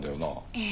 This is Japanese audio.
ええ。